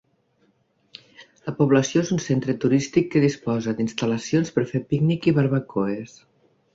La població és un centre turístic que disposa d'instal·lacions per fer pícnic i barbacoes.